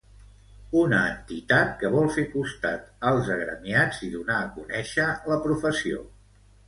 Una entitat que vol fer costat als agremiats i donar a conèixer la professió.